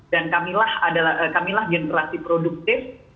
dan kamilah adalah kamilah generasi produktif